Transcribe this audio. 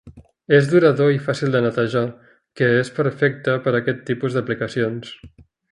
És durador i fàcil de netejar, que és perfecte per a aquest tipus d'aplicacions.